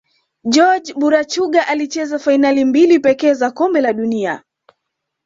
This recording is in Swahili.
jorge burachuga alicheza fainali mbili pekee za kombe la dunia